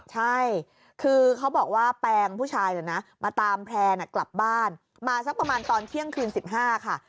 ใช่คือเขาบอกว่าแปงผู้ชายมาตามแพร่กลับบ้านมาสักประมาณตอนเที่ยงคืน๑๕ค่ะ